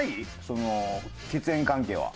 その血縁関係は。